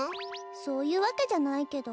そういうわけじゃないけど。